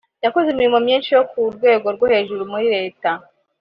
yakoze imirimo myinshi yo ku rwego rwo hejuru muri Leta